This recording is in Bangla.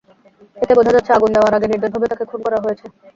এতে বোঝা যাচ্ছে, আগুন দেওয়ার আগে নির্দয়ভাবে তাঁকে খুন করা হয়েছে।